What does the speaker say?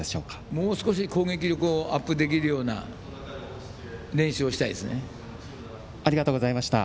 もう少し攻撃力をアップできるようなありがとうございました。